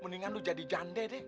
mendingan lu jadi jande deh